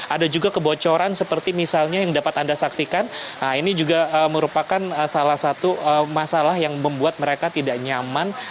ada juga kebocoran seperti misalnya yang dapat anda saksikan nah ini juga merupakan salah satu masalah yang membuat mereka tidak nyaman